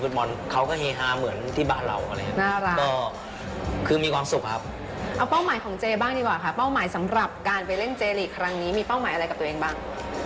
สำหรับการไปเล่นเจลีกครั้งนี้มีเป้าหมายอะไรกับตัวเองบ้าง